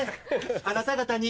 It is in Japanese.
あなた方に。